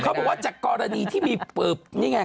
ครับผมว่าถ้าจากกรณีว่านี่ไง